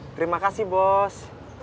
terima kasih bos